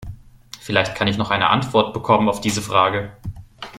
Vielleicht kann ich noch eine Antwort bekommen auf diese Frage.